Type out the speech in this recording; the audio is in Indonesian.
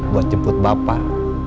buat jemput bapak